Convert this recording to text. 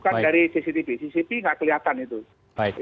bukan dari cctv cctv tidak kelihatan itu